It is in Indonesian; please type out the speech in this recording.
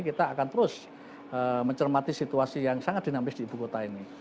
kita akan terus mencermati situasi yang sangat dinamis di ibu kota ini